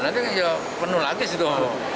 nanti ya penuh lagi sutomo